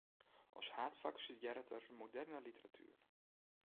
As haadfak studearret er moderne literatuer.